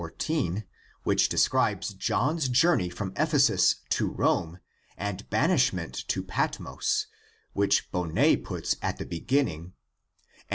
1 14, which describes John's journey from Ephesus to Rome and banishment to Patmos, which Bonnet puts at the beginning, and c.